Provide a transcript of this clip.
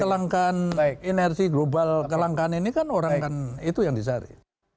kelangkan inersi global kelangkan ini kan orang kan itu yang disari